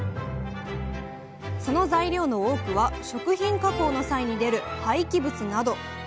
その材料の多くは食品加工の際に出る廃棄物など。